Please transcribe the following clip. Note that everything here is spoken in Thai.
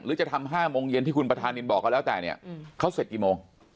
จะทำ๕โมงเย็นที่คุณประธานินบอกก็แล้วแต่เนี่ยเขาเสร็จกี่โมง